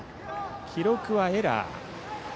記録はエラー。